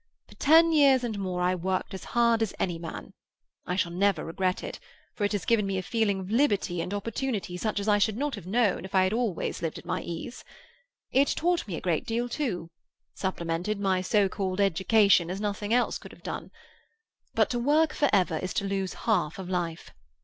For ten years and more I worked as hard as any man; I shall never regret it, for it has given me a feeling of liberty and opportunity such as I should not have known if I had always lived at my ease. It taught me a great deal, too; supplemented my so called education as nothing else could have done. But to work for ever is to lose half of life.